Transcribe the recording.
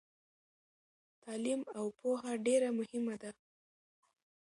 تعلیم او پوهه ډیره مهمه ده.